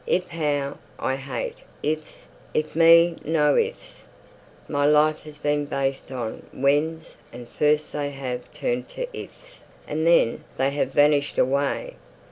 If how I hate 'ifs.' 'If me no ifs.' My life has been based on 'whens;' and first they have turned to 'ifs,' and then they have vanished away.